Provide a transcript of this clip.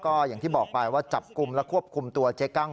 ก็อย่างที่บอกไปว่าจับกลุ่มและควบคุมตัวเจ๊กั้ง